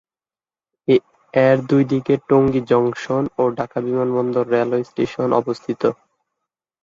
এর দুই দিকে টঙ্গী জংশন ও ঢাকা বিমানবন্দর রেলওয়ে স্টেশন অবস্থিত।